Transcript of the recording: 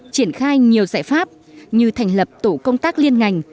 triển khai nhiều giải pháp như thành lập tổ công tác liên ngành